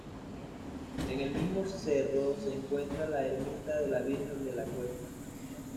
En el mismo cerro se encuentra la ermita de la Virgen de la Cuesta.